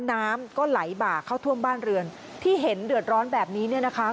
น้ำก็ไหลบากเข้าท่วมบ้านเรือนที่เห็นเดือดร้อนแบบนี้เนี่ยนะคะ